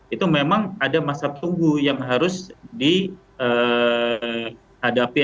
itu memang ada masa tunggu yang harus dihadapi